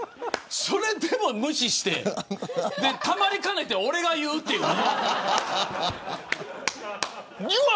それでも無視してたまりかねて俺が言うっていう。